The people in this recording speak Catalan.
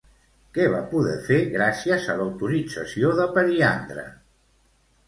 Què va poder fer, gràcies a l'autorització de Periandre?